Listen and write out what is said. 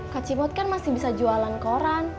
kak cibot kan masih bisa jualan koran